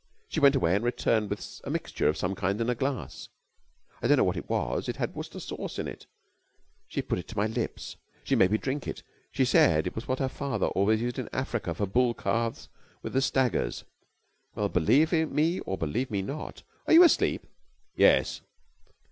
She went away and returned with a mixture of some kind in a glass. "I don't know what it was. It had Worcester sauce in it. She put it to my lips. She made me drink it. She said it was what her father always used in Africa for bull calves with the staggers. Well, believe me or believe me not ... Are you asleep?" "Yes."